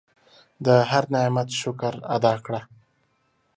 د هر نعمت شکر ادا کړه.